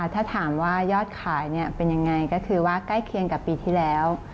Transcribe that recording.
ถ้าถามว่ายอดขายเป็นยังไงก็คือว่าใกล้เคียงกับปีที่แล้ว